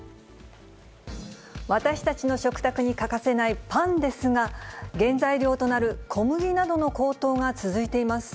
私たちの食卓に欠かせないパンですが、原材料となる小麦などの高騰が続いています。